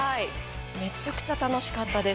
めちゃくちゃ楽しかったです。